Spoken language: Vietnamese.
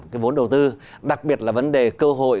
cái vốn đầu tư đặc biệt là vấn đề cơ hội